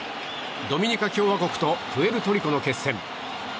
ドミニカ共和国とプエルトリコの決戦。